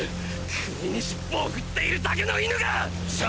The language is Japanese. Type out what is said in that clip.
国に尻尾を振っているだけの犬がっ！